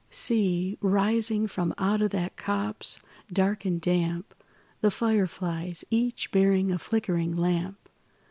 See, rising from out of that copse, dark and damp, The fire flies, each bearing a flickering lamp!